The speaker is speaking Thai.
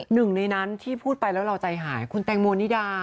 หนึ่งในนั้นที่พูดไปแล้วเราใจหายคุณแตงโมนิดา